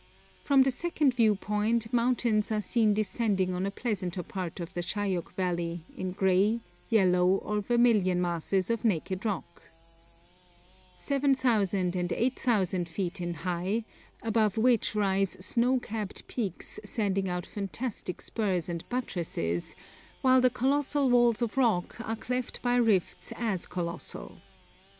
From the second view point mountains are seen descending on a pleasanter part of the Shayok valley in grey, yellow, or vermilion masses of naked rock, 7,000 and 8,000 feet in height, above which rise snow capped peaks sending out fantastic spurs and buttresses, while the colossal walls of rock are cleft by rifts as colossal.